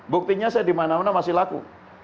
buktinya saya di mana mana masih laku